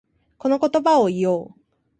この言葉を言おう。